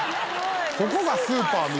ここがスーパーみたい。